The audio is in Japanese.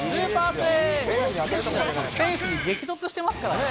フェンスに激突してますからね。